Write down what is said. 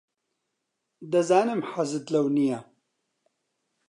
دەزانم حەزت لەو نییە.